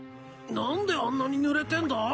何であんなにぬれてんだ？